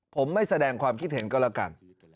ผมไม่แสดงความคิดเห็นก็แล้วกัน